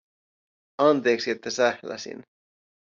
Anteeksi että sähläsin.